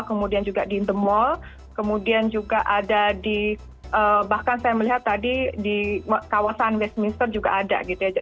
kemudian juga di the mall kemudian juga ada di bahkan saya melihat tadi di kawasan westminster juga ada gitu ya